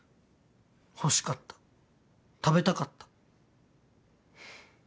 欲しかった食べたかった。